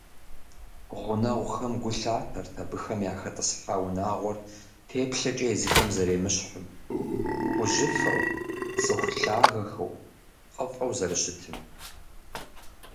Гъунэгъухэм гу лъатэрт абыхэм яхэтӀысхьа унагъуэр теплъэкӀэ езыхэм зэремыщхьым, хужьыфэу, цӀыху лъагэхэу, пкъыфӀэу зэрыщытым.